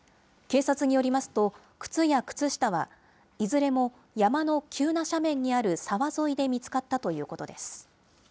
警察によりますと、靴や靴下は、いずれも山の急な斜面にある沢沿いで見つかったということです。